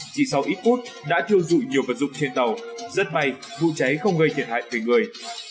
chỉ sau ít phút đã thiêu dụi nhiều vật dụng trên tàu rất may vụ cháy không gây thiệt hại về người